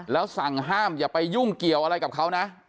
แล้วสั่งห้ามอย่าไปยุ่งเกี่ยวอะไรกับเขานะ